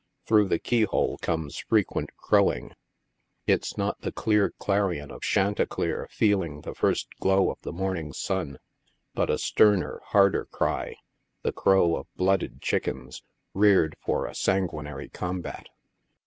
Through the key hole comes frequent crowing. It's not the clear clarion of chanticleer feeling the first glow of the morning sun, but a sterner, harder cry— the crow of blooded chickens, reared for a sanguinary combat.